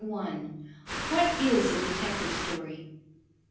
What is a Detective Story?